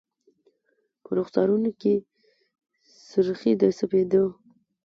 په رخسارونو کي سر خې د سپید و